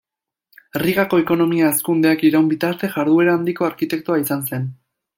Rigako ekonomia hazkundeak iraun bitarte jarduera handiko arkitektoa izan zen.